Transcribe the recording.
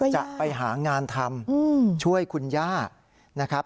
จะไปหางานทำช่วยคุณย่านะครับ